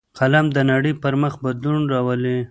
قلم د نړۍ پر مخ بدلون راولي